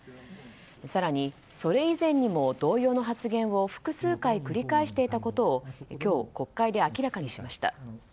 更に、それ以前にも同様の発言を複数回繰り返していたことを今日、国会で明らかにしました。